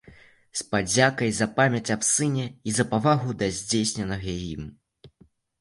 З падзякай за памяць аб сыне і за павагу да здзейсненага ім.